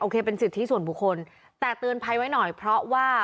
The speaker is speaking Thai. เป็นสิทธิส่วนบุคคลแต่เตือนภัยไว้หน่อยเพราะว่า